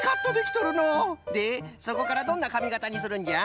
でそこからどんなかみがたにするんじゃ？